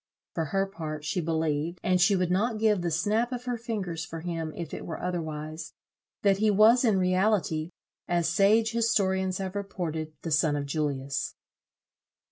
For her part, she believed, and she would not give the snap of her fingers for him if it were otherwise, that he was in reality, as sage historians have reported, the son of Julius."